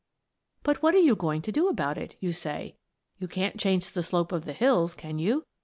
] "But, what are you going to do about it?" you say. "You can't change the slope of the hills, can you?